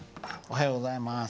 おはようございます。